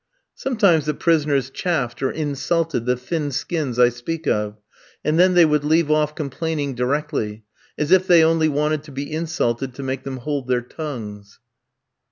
Sometimes the prisoners chaffed or insulted the thin skins I speak of, and then they would leave off complaining directly; as if they only wanted to be insulted to make them hold their tongues.